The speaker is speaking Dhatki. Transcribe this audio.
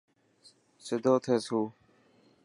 سڌو ٿي سو.